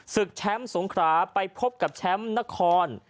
ศึกแชมป์สงขราไปพบกับแชมป์นคร